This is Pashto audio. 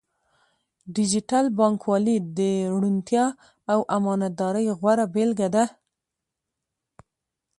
ډیجیټل بانکوالي د روڼتیا او امانتدارۍ غوره بیلګه ده.